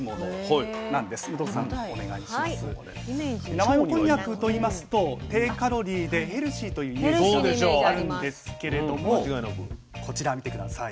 生芋こんにゃくといいますと低カロリーでヘルシーというイメージがあるんですけれどもこちら見て下さい。